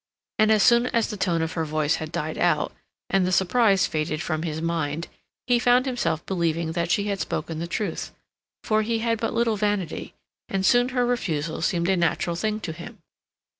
And as soon as the tone of her voice had died out, and the surprise faded from his mind, he found himself believing that she had spoken the truth, for he had but little vanity, and soon her refusal seemed a natural thing to him.